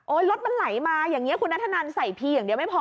รถมันไหลมาอย่างนี้คุณนัทธนันใส่พีอย่างเดียวไม่พอ